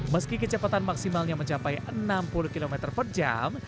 meski kecepatan maksimalnya mencapai enam puluh km per jam